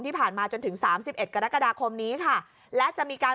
ที่ผ่านมาจนถึงสามสิบเอ็ดกรกฎาคมนี้ค่ะและจะมีการ